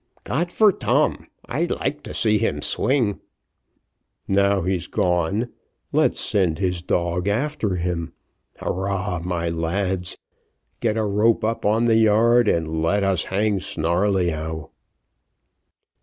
"Got for tam! I like to see him swing." "Now he's gone, let's send his dog after him. Hurrah, my lads! get a rope up on the yard, and let us hang Snarleyyow."